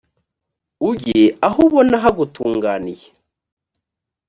ujye aho ubona hagutunganiye